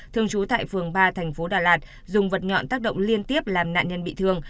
thường trú tại phường ba thành phố đà lạt dùng vật nhọn tác động liên tiếp làm nạn nhân bị thương